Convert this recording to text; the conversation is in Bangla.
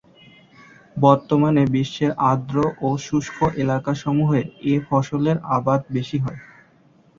বর্তমানে বিশ্বের আর্দ্র ও শুষ্ক এলাকাসমূহে এ ফসলের আবাদ বেশি হয়।